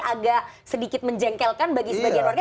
agak sedikit menjengkelkan bagi sebagian warga